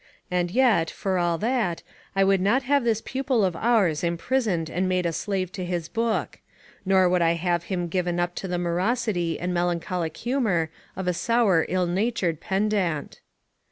And yet, a for all that, I would not have this pupil of ours imprisoned and made a slave to his book; nor would I have him given up to the morosity and melancholic humour of a sour ill natured pedant.